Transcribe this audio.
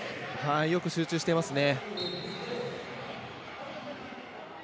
よく集中していますね。